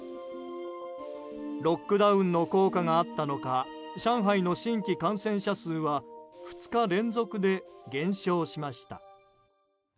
ロックダウンの効果があったのか上海の新規感染者数は２日連続で減少しました。